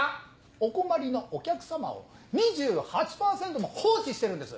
お困りのお客様を２８％も放置してるんです！